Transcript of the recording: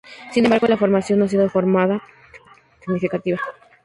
Sin embargo, la formación no ha sido deformada de forma significativa.